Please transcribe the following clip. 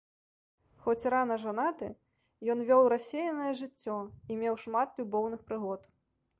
Хоць рана жанаты, ён вёў рассеянае жыццё і меў шмат любоўных прыгод.